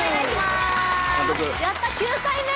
やった９回目！